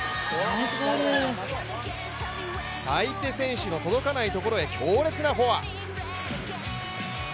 相手選手の届かないところへ強烈なフォア。